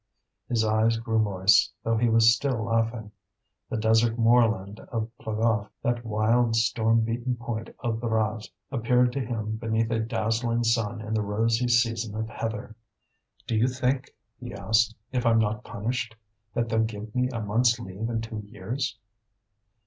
His eyes grew moist, though he was still laughing. The desert moorland of Plogof, that wild storm beaten point of the Raz, appeared to him beneath a dazzling sun in the rosy season of heather. "Do you think," he asked, "if I'm not punished, that they'll give me a month's leave in two years?"